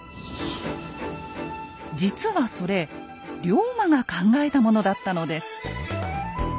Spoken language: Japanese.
実はそれ龍馬が考えたものだったのです。